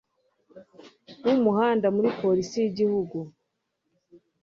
w Umuhanda muri Polisi y Igihugu